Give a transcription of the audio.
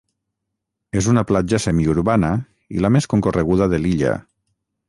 És una platja semiurbana i la més concorreguda de l'illa.